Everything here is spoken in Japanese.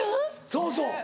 そうそう。